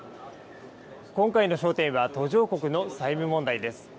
今回の焦点は、途上国の債務問題です。